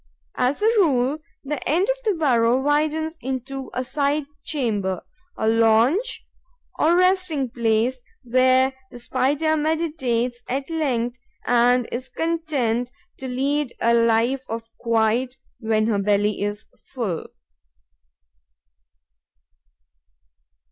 As a rule, the end of the burrow widens into a side chamber, a lounge or resting place where the Spider meditates at length and is content to lead a life of quiet when her belly is full.